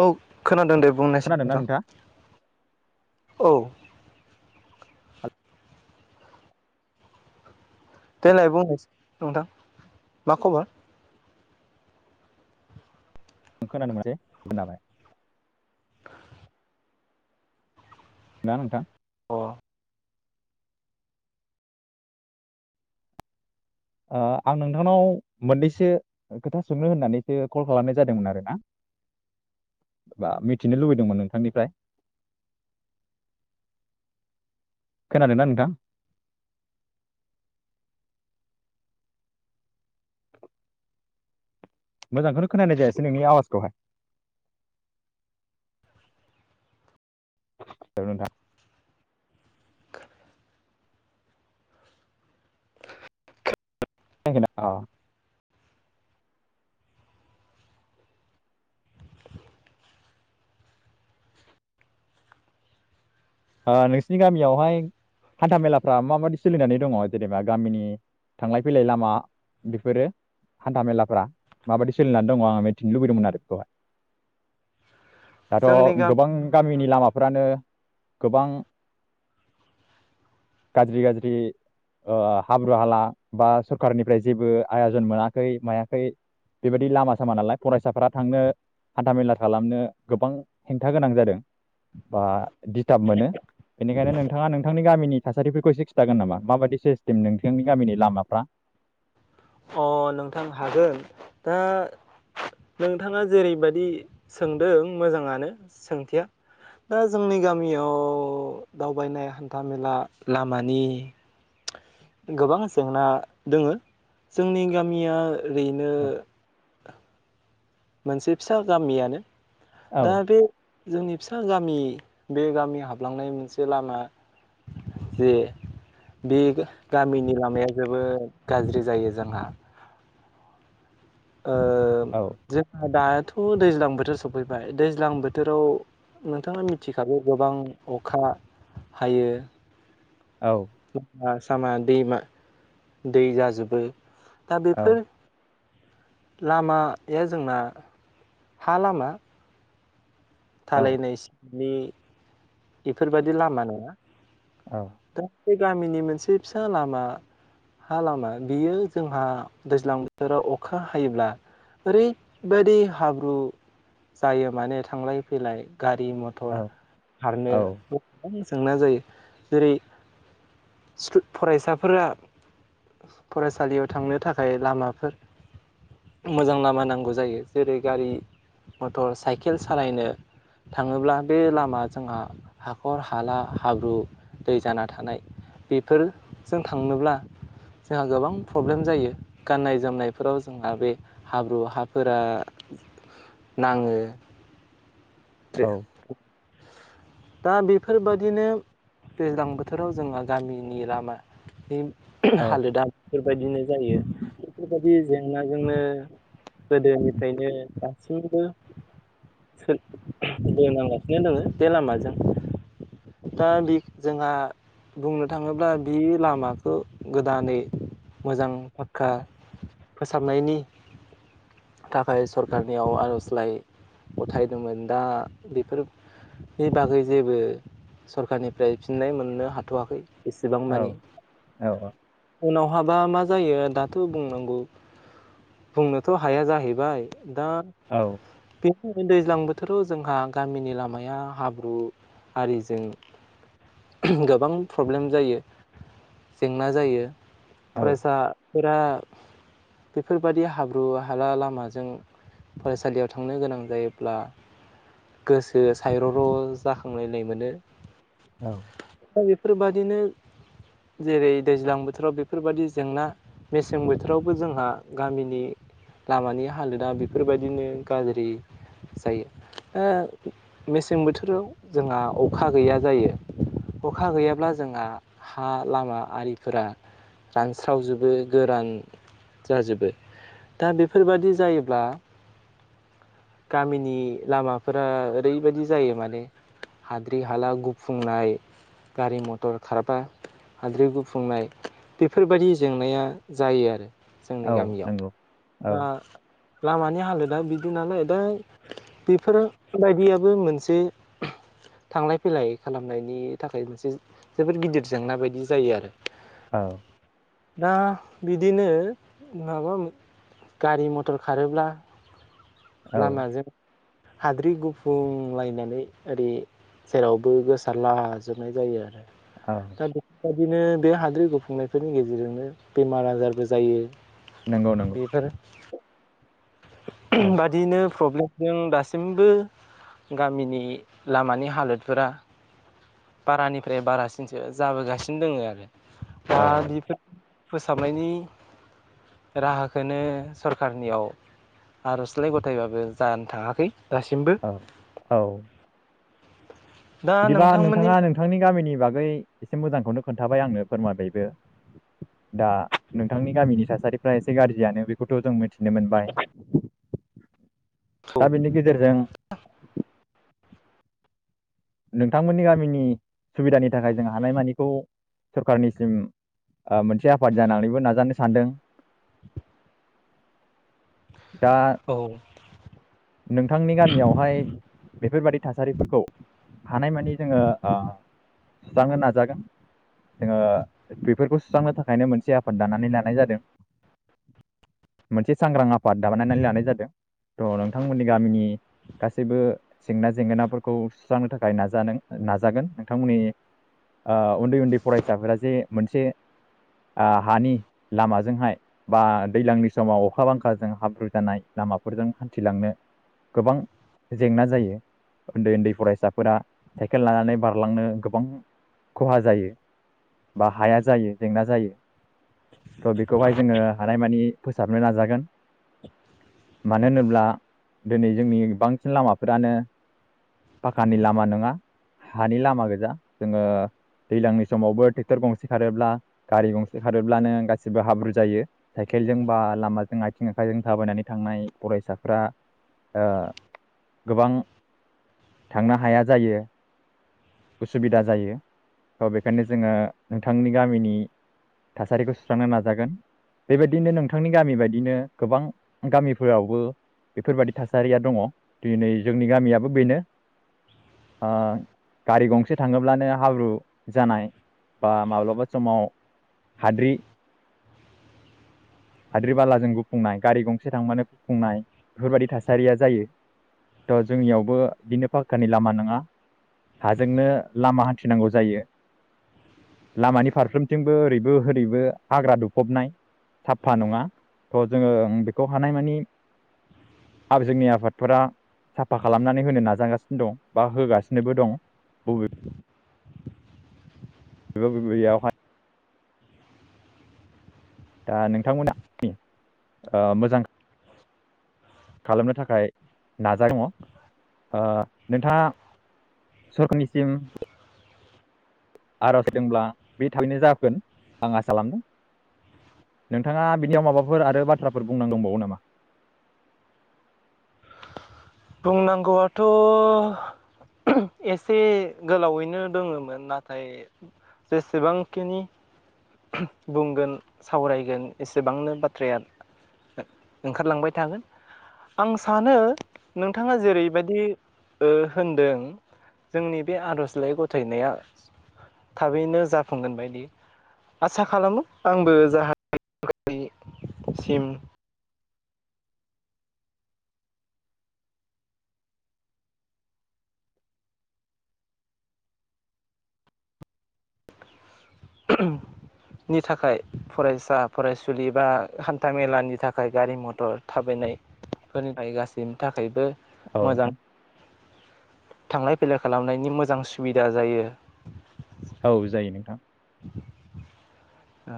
औ खोनादों दे बुंनायसै खोनादोंना नोंथां नोंथाङा? औ देलाय बुंनोसै नोंथां मा खबर नों खोनानो मोने खोनाबाय दा नोथां अ ओ आं नोंथांनाव मोननैसो खोथा सोंनो होननानैसो कल खालामनाय जादोंमोन आरोना बा मिथिनो लुबैदोंमोन नोंथांनिफ्राय खोनादों ना नोंथां मोजांखौनो खोनानाय जायासै नोंनि आवाजखौहाय [unintelligible] [unintelligible] अ ओ नोंसिनि गामियावहाय हान्था मेलाफ्रा माबायदि सोलिनानै दङ जेनेबा गामिनि थांलाय फैलाय लामा बेफोरो हान्था मेलाफ्रा माबादि सोलिनानै दङ आं मिथिनो लुबैदोंमोन आरो बेखौहाय जोंनि दाथ गामि गोबां गामिनि लामा फ्रानो गोबां गाज्रि गाज्रि ओ हाब्रु हाला बा सोरखारनिफ्राय जेबो आयाजन मोनाखै मायाखै बेबादि लामा सामा नालाय फरायसाफोरा थांनो हान्था मेला खालामनो गोबां हेंथा गोनां जादों बा दिस्टार्ब मोनो बेनिखायनो नोंथाङा नोंथांनि गामिनि थासारिफोरखौ एसे खिन्थागोन नामा माबायदि सिस्टेम नोंथांनि गामिनि लामाफ्रा अ नोंथां हागोन दा नोंथाङा जेरैबायदि सोंदों मोजाङानो सोंथिया दा जोंनि गामियाव दावबायनाय हान्थ मेला लामानि गोबां जेंना दोङो जोंनि गामिया ओरैनो औ मोनसे फिसा गामियानो दा औ बे जोंनि फिसा गामि बे गामि हाबलांनाय मोनसे लामा जे बे गामिनि लामाया जोबोद गाज्रि जायो जोंहा ओ औ जे हाद। थ दैज्लां बोथोर सफैबाय दैज्लां बोथोराव नोंथाङा मिथिखागो गोबां अखा हायो। औ [unintelligible] सामा दैमा दै जाजोबो। दा बेफोर लामाया जोंना हा लामा औ थालायनायस बि बेफोरबायदि लामा नङा। औ। दा बे गामिनि मोनसे फिसा लामा हा लामा बियो जोंहा दैज्लां बोथोराव अखा हायोब्ला ओरैबायदि हाब्रु जायो माने थांलाय फैलाय गारि मथर औ खारनो [unintelligible] जेंना जायो जेरै स्थु फरायसाफोरा फरायसालियाव थांनो थाखाय लामाफोर मोजां लामा नांगौ जायो जेरै गारि मटर साइकेल सालायनो। थाङोब्ला बे लामा जोंहा हाखर हाला हाब्रु दै जाना थानाय बेफोरजों थांनोब्ला जोंहा गोबां प्रब्लेम जायो गाननाय जोमनायफोराव जोंहा बे हाब्रु हाफोरा नाङो। औ [unintelligible] दा बेफोरबायदिनो दैज्लां बोथोराव जोंहा गामिनि लामानि हालोदा बेफोरबायदिनो जायो बेफोरबायदि जेंनाजोंनो गोदोनिफ्रायनो [unintelligible] [unintelligible] नो दोङो बे लामाजों दा बे जोंहा बुंनो थाङोब्ला बे लामाखो गोदानै मोजां फाक्का फोसाबनायनि थाखाय सरखारनियाव आरजलाइ गथाय दोंमोन दा बेफोरनि बागै जेबो सरखारारनिफ्राय फिननाय मोननो हाथवाखै। एसेबां मानि उनाव बहाबा मा जायो दाथ बुंनांगौ बुंनोथ हाया जाहैबाय। दा [unintelligible] दै ज्लां बोथोराव जोंहा गामिनि लामाया हाब्रु आरिजों गोबां प्रब्लेम जायो जेंना जायो। औ औ फरायसा फोरा बेफोरबादि हाब्रु हाला लामाजों फरायसालियाव थांनो गोनां जायो ब्ला गोसो सायर र जाखांलायनाय मोनो। औ। फोरबायदिनो जेरै दैज्लां बोथोराव बेफोरबायदि जेंना मेसें बोथोरावबो जोंहा गामिनि लामानि हालोदा बेफोरबायदिनो गाज्रि जायो ओ मेसें बोथोराव जोंहा अखा गैया जायो अखा गैयाब्ला जोंहा हा लामा आलिफोरा रानस्रावजोबो गोरान जाजोबो दा बेफोरबादि जायोब्ला गामिनि लामाफोरा ओरैबायदि जायो माने हाद्रि हाला गुफुंनाय गारि मथर खारबा हाद्रि गुफुंनाय बेफोरबायदि जेंनाया जायो आरो जोंनि औ गामियाव नंगौ औ। दा लामानि हालोदा बिदि नालाय दा बेफोरबायदियाबो मोनसे थांलाय फैलाय खालामनायनि थाखाय मोनसे जोबोद गिदिर जेंना बायदि जायो आरो औ। दा बिदिनो माबा गारि मथर खारोब्ला औ लामाजों हाद्रि गुफुंलायनानै ओरै जेरावबो गोसारलाजोबनाय जायो आरो। औ दा बेबायदिनो बे हाद्रि गुफुंनायफोरनि गेजेरजोंनो बेमार आजारबो जायो। नंगौ नंगौ। बेफोर औ बादियैनो फ्रब्लेम उम दासिमबो गामिनि लामानि हालोदफोरा बारानिफ्राय बारासिनसो जाबोगासिनो दोङो आरो। बा औ बिफोर फोसाबनायनि राहाखोनो सरखारनियाव आरजलाइ गथायबाबो जानो थाङाखै। दासिमबो औ औ। दा थाङा नोंथांनि गामिनि बागै एसे मोजांखौनो खोन्थाबाय आंनो फोरमाबायबो दा नोंथांनि गामिनि थासारिफ्रा एसे गाज्रियानो बेखौथ जों मि नो मोनबाय। औ दा बेनि गेजेरजों। नोंथांमोननि गामिनि सुबिदानि थाखाय जों हानायमानिखौ सरखारनिसिम ओ मोनसे आफाद जानानैबो नाजानो सानदों। दा औ नोंथांनि गामियावहाय बेफोरबायादि थासारिफोरखौ हानायमानि जोङो ओ सुस्रांनो नाजागोन जोङो बेफोरखौ सुस्रांनो थाखायनो मोनसे आफाद दानानै लानाय जादों मोनसे सांग्रां आफाद दानायनानै लानाय जादों त नोंथांमोननि गामिनि गासैबो जेंना जेंगोनाफोरखौ सुस्रांनो थाखाय नाजादों नाजागोन नोंथांमोननि ओ उन्दै उन्दै फरायसाफोरा जे मोनसे ओ हानि लामाजोंहाय बा दैलांनि समाव अखा बांखाजों हाब्रु जानाय लामाफोरजों हान्थिलांनो गोबां जेंना जायो उन्दै उन्दै फरायसाफोरा साइकेल लानानै बारलांनो गोबां खहा जायो बा हाया जायो जेंना जायो त बेखौहाय जोङो हानायमानि फोसाबनो नाजागोन मानो होनोब्ला दिनै जोंनि बांसिन लामाफोरानो पाकानि लामा नङा हानि लामा गोजा जोङो दैज्लांनि समावबो ट्रेक्टर गंसे खारोब्ला गारि गंसे खारोब्लानो गासिबो हाब्रु जायो साइकेलजों बा लामाजों आइथिं आखाइजों थाबायनानै थांनाय फरायसाफ्रा ओ गोबां थांनो हाया जायो। उसुबिदा जायो त बेखायनो जोङो नोंथांनि गामिनि थासारिखौ सुस्रांनो नाजागोन बेबायदिनो नोंथांनि गामि बायदिनो गोबां गामिफोरावबो बेफोरबायि थासारिया दङ दिनै जोंनि गामियाबो बेनो ओ गारि गंसे थाङोब्लानो हाब्रु जानाय बा माब्लाबा समाव हाद्रि हाद्रि बालाजों गुफुंनाय गारि गंसे थांब्लानो गुफुंनाय बेफोरबायाददि थासारिया जायो त जोंनियावबो बिदिनो फाखकानि लामा नङा। हाजोंनो लामा हान्थिनांगौ जायो लामानि फारफ्रोमथिंबो ओरैबो होरैबो हाग्रा दुफबनाय साफा नङा त जोङो बेखौ हानाय मानि जोंनि आफादफोरा साफा खालामनानै होनो नाजागासिनो दं बा होगासिनो नोबो दं बबे [unintelligible] बबेयावहाय दा नोंथांमोना [unintelligible] ओ मोजां खालामनो थाखाय नाजाबाय दङ ओ नोंथाङा सखारनिसिम आरज होदोंब्ला बे थाबैनो जाागोन आं आसा खालामदों नोंथाङा बिनियाव माबाफोर आरो बाथ्राफोर बुंनां दंबावो नामा? बुंनांगौआ थ एसे गोलावैनो दोङोमोन नाथाय जेसेबांखिनि बुंगोन सावरायगोन एसेबांनो बाथ्राया ओंखारलांबाय थागोन आं सानो नोंथाङा जेरैबायदि ओ होनदों जोंनि बे आजलाइ गथायनाया थाबैनो जाफुंगोन बायदि। आसा खालामो आंबो [unintelligible] नि थाखाय फरायसा फरायसुलि बा हान्था मेलानि थाखाय गारि मथर थाबायनायफोरनि थाखाय गासैनि थाखायबो। औ मोजां नोंथां। थांलाय फैलाय खालामनायनि मोजां सुबिदा जायो। औ जायो नोंथां। ओ।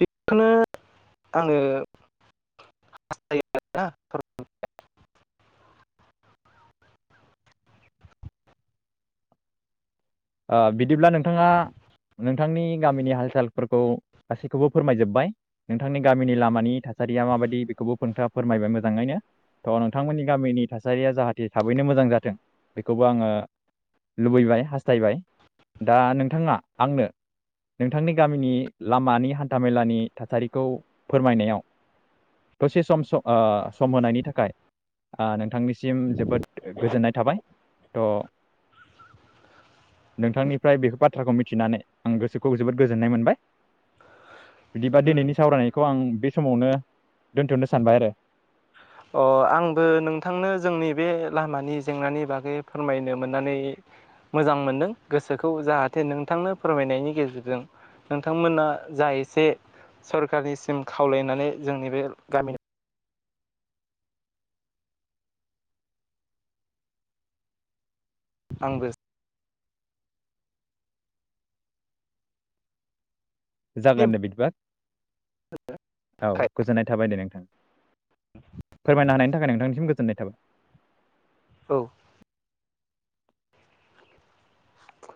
बेखौनो आङो हास्थायो आरोना। बिदिब्ला नोंथाङा नोंथांनि गामिनि हाल सालफोरखौ गासैखौबो फोरमायजोबबाय नोंथांनि गामिनि लामानि थासारिया माबायदि बेखौबो नोंथाङा फोरमायबाय मोजाङैनो थ नोंथांमोननि गामिनि थासारिया जाहाथे थाबैनो मोजां जाथों बेखौबो आङो लुबैबाय हास हास्थायबाय दा नोंथाङा आंनो नोंथांनि गामिनि लामानि हान्थामेलानि थासारिखौ फोरमायनायाव दसे सम ओ सम होनायनि थाखाय ओ नोंथांनिसिम जोबोद गोजोननाय थाबाय। थ' नोंथांनिफ्राय बे बाथ्राखौ मिथिनानै आं गोसोखौ जोबोद गोजोननाय मोनबाय। बिदिबा दिनैनि सावरायनायखौ आं बे समावनो दोनथनो सानबाय आरो। अ आंबो नोंथांनो जोंनि बे लामानि जेंनानि बागै फोरमायनो मोननानै मोजां मोनदों गोसोखौ जाहाथे नोंथांनो फोरमायनायनि गेजेरजों नोंथांमोना जा एसे सरखारनिसिम खावलायनानै जोंनि बे गामिनि आंबो जागोन दे बिदिबा औ गोजोननाय थाबाय दे नोंथां फोरमायनो हानायनि थाखाय नोंथांनिसिम गोज गोजोननाय थाबाय। औ।